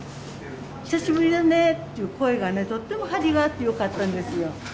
久しぶりだね！っていう声がね、とっても張りがあってよかったんですよ。